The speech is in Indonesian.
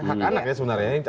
hak anak ya sebenarnya